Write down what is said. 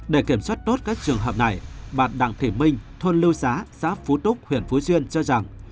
để kiểm soát tốt các trường hợp này bà đặng thị minh thôn lưu xá xã phú túc huyện phú xuyên cho rằng